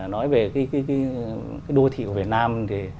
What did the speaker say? nói về cái đô thị của việt nam